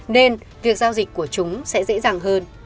nên việc giao dịch của chúng sẽ dễ dàng hơn